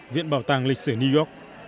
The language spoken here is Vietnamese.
viện bảo tàng lịch sử new york